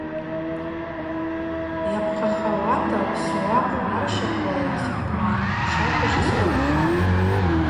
Йапхъахауата апсуа хъвмарщаквала схъвмартӏ, швабыж йсгвапхатӏ.